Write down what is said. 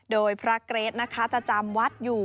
โดยพระเกรทนะคะจะจำวัดอยู่